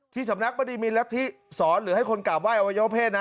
ที่สำนักไม่ได้มีลักษณ์ที่สอนหรือให้คนกราบไหว้อวัยวะเพศนะ